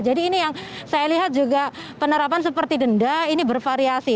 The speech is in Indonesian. jadi ini yang saya lihat juga penerapan seperti denda ini bervariasi